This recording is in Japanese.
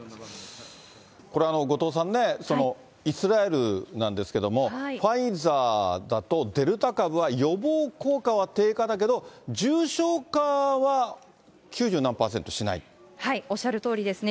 これ後藤さんね、イスラエルなんですけれども、ファイザーだと、デルタ株は予防効果は低下だけども、おっしゃるとおりですね。